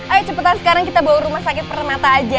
ayo cepat sekarang kita bawa rumah sakit permata aja